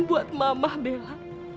buat mama bella